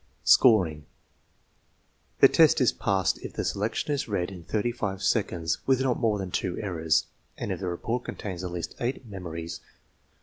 Scoring. The test is passed if the selection is read in thirty five seconds with not more than two errors, and if the report contains at least eight " memories."